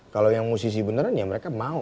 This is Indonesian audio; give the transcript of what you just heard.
kalau yang musisi beneran ya mereka mau